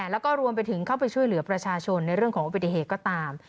แล้วก็รวมไปถึงเข้าไปช่วยเหลือประชาชนในเรื่องของอุบัติเหตุก็ตาม